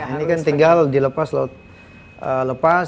ini kan tinggal dilepas